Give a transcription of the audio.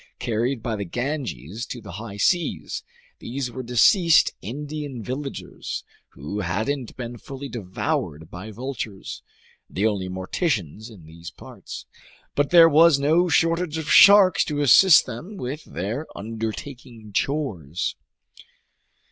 Carried by the Ganges to the high seas, these were deceased Indian villagers who hadn't been fully devoured by vultures, the only morticians in these parts. But there was no shortage of sharks to assist them with their undertaking chores.